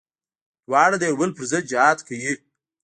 دواړه د يو بل پر ضد جهاد کوي.